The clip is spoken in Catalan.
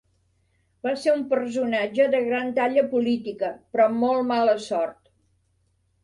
Va ser un personatge de gran talla política, però amb molt mala sort.